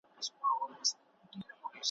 چي سرکوزی په دې پوه سو زمری زوړ دی ,